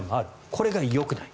それがよくない。